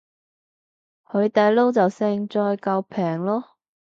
海底撈就勝在夠平囉